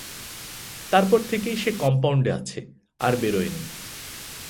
তারপর থেকেই সে কম্পাউন্ডে আছে আর বেরোয়নি।